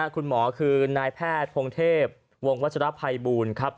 คุณหมอคือนายแพทย์พงเทพวงวัชรภัยบูลครับ